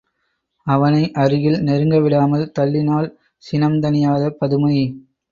அவனை அருகில் நெருங்கவிடாமல் தள்ளினாள் சினந்தணியாத பதுமை.